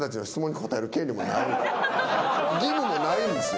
義務もないんですよ。